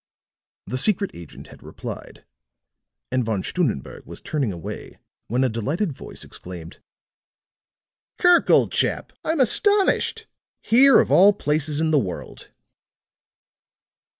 The secret agent had replied, and Von Stunnenberg was turning away when a delighted voice exclaimed: "Kirk, old chap, I'm astonished! Here, of all places in the world."